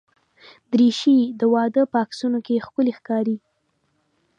دریشي د واده په عکسونو کې ښکلي ښکاري.